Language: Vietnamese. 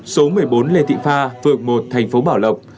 số một mươi bốn lê thị pha phường một thành phố bảo lộc